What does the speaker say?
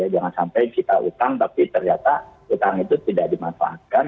jangan sampai kita utang tapi ternyata utang itu tidak dimanfaatkan